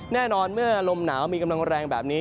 แน่นอนเมื่อลมหนาวมีกำลังแรงแบบนี้